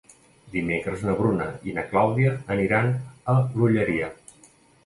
Dimecres na Bruna i na Clàudia aniran a l'Olleria.